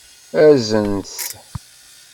Azen-t!